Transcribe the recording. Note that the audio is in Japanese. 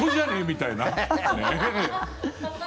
みたいな。